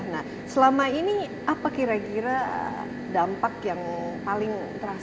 nah selama ini apa kira kira dampak yang paling terasa